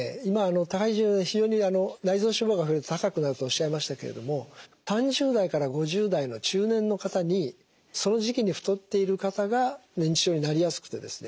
体重内臓脂肪が増えると高くなるとおっしゃいましたけれども３０代から５０代の中年の方にその時期に太っている方が認知症になりやすくてですね